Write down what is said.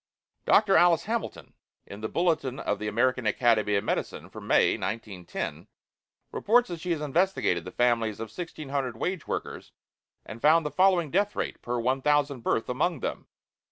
Dr. Alice Hamilton, in "The Bulletin of the American Academy of Medicine," for May, 1910, reports that she has investigated the families of 1,600 wage workers, and found the following death rate per 1,000 birth among them, viz.